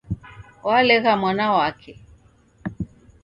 W'alegha mwana wake